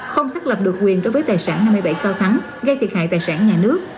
không xác lập được quyền đối với tài sản năm mươi bảy cao thắng gây thiệt hại tài sản nhà nước